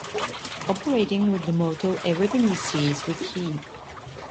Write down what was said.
Operating with the motto Everything we seize, we keep.